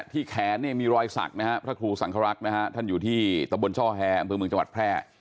ที่แขนมีรอยสักพระครูสังเคราะห์ท่านอยู่ที่ตระบนช่อแฮมปืนเมืองจังหวัดแพร่